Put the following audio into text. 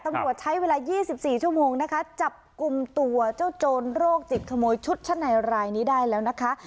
ตำรวจใช้เวลา๒๔ชั่วโมงนะคะจับกลุ่มตัวเจ้าโจรโรคจิตขโมยชุดชั้นในรายนี้ได้แล้วนะคะ